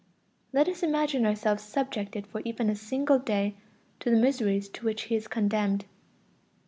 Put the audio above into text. Let us imagine ourselves subjected for even a single day to the miseries to which he is condemned.